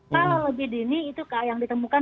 kalau lebih dini itu yang ditemukan